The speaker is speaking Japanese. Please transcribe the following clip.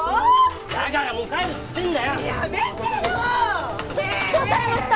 だからもう帰るっつってんだよやめてよねえどうされました？